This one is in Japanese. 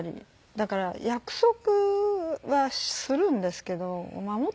だから約束はするんですけど守った事ないですし。